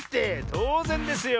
とうぜんですよ。